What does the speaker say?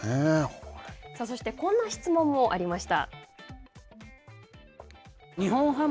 さあそしてこんな質問もありました。